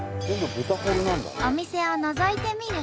お店をのぞいてみると。